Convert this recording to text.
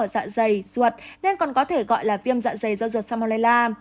dạ dày ruột nên còn có thể gọi là viêm dạ dày do ruột salmonella